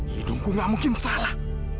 hidungku nggak mungkin salah